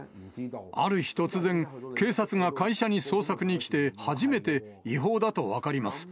ある日突然、警察が会社に捜索に来て、初めて違法だと分かります。